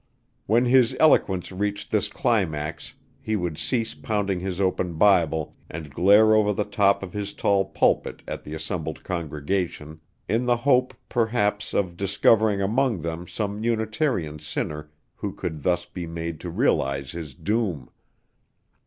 When his eloquence reached this climax he would cease pounding his open Bible and glare over the top of his tall pulpit at the assembled congregation, in the hope, perhaps, of discovering among them some Unitarian sinner who could thus be made to realize his doom.